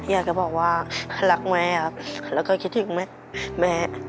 อยากจะบอกว่ารักแม่ครับแล้วก็คิดถึงแม่